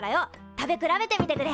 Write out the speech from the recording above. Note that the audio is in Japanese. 食べ比べてみてくれ。